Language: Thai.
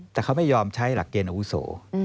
แต่เขาไม่ยอมใช้หลักเกณฑ์อาวุโส